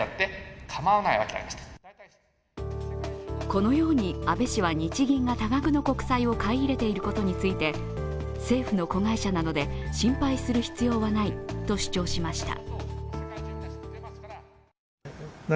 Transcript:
このように安倍氏は日銀が多額の国債を買い入れていることについて政府の子会社なので心配する必要はないと主張しました。